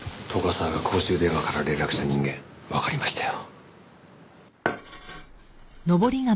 沢が公衆電話から連絡した人間わかりましたよ。